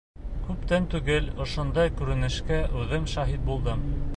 Күптән түгел ошондай күренешкә үҙем шаһит булдым.